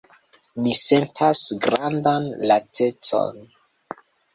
Mi sentas grandan lacecon.“